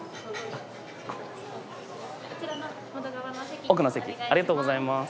ありがとうございます。